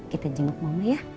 kita jemput bapak ya